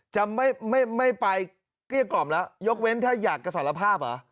จะไม่ไปก็ยังกล่อมแล้วยกเว้นถ้าอยากสารภาพอ่ะ